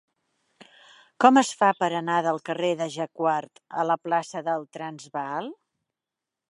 Com es fa per anar del carrer de Jacquard a la plaça del Transvaal?